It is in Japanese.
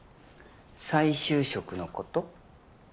再就職のこと？